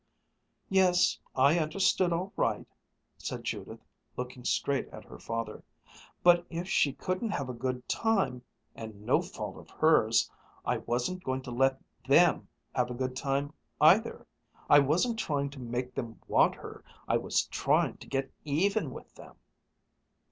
"Yes, I understood all right," said Judith, looking straight at her father, "but if she couldn't have a good time and no fault of hers I wasn't going to let them have a good time either. I wasn't trying to make them want her. I was trying to get even with them!"